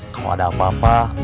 kalau ada apa apa